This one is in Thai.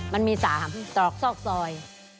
มันมี๓ตรอกซอกซอย